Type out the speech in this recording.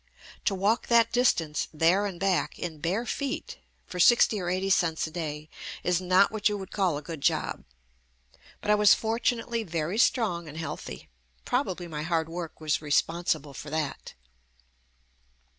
To walk that distance there and back in bare feet for sixty or eighty cents a day is not what you would call a good job, but I was fortunately very strong and healthy — probably my hard work was responsible for that.